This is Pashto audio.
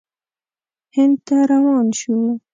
هند ته روان شو.